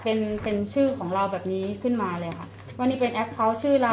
เป็นเป็นชื่อของเราแบบนี้ขึ้นมาเลยค่ะว่านี่เป็นแอคเคาน์ชื่อเรา